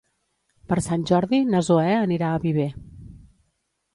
Per Sant Jordi na Zoè anirà a Viver.